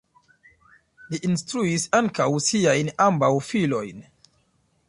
Li instruis ankaŭ siajn ambaŭ filojn.